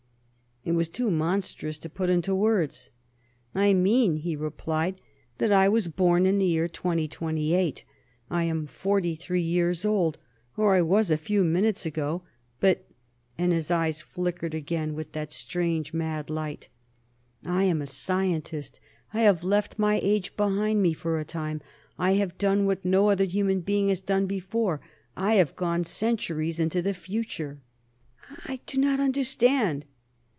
It was too monstrous to put into words. "I mean," he replied, "that I was born in the year 2028. I am forty three years old or I was a few minutes ago. But," and his eyes flickered again with that strange, mad light "I am a scientist! I have left my age behind me for a time; I have done what no other human being has ever done: I have gone centuries into the future!" "I I do not understand."